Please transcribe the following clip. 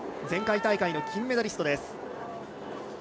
前回大会の金メダリストです。